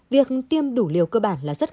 việc tiêm đủ liều cơ bản là rất khó